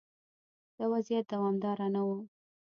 دا وضعیت دوامدار نه و.